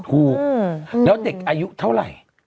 ถูกแล้วเด็กอายุเท่าไหร่